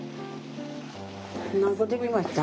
何個できました？